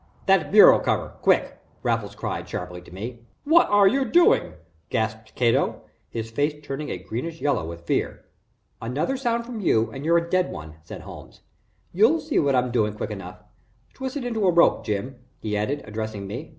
"That bureau cover quick," Raffles cried, sharply, to me. "What are you doing?" gasped Cato, his face turning a greenish yellow with fear. "Another sound from you and you're a dead one," said Holmes. "You'll see what I'm doing quickly enough. Twist it into a rope, Jim," he added, addressing me.